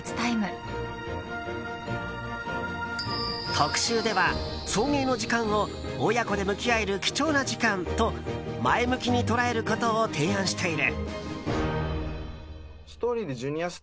特集では送迎の時間を親子で向き合える貴重な時間と前向きに捉えることを提案している。